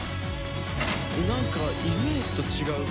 なんかイメージと違う。